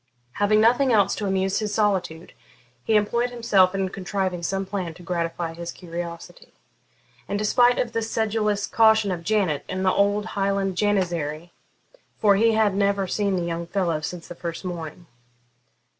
Having nothing else to amuse his solitude, he employed himself in contriving some plan to gratify his curiosity, in despite of the sedulous caution of Janet and the old Highland janizary, for he had never seen the young fellow since the first morning.